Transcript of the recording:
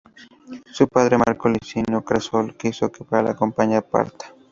Su padre Marco Licinio Craso lo quiso para la campaña parta.